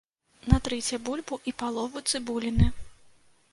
Натрыце бульбу і палову цыбуліны.